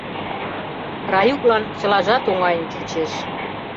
Раюклан чылажат оҥайын чучеш.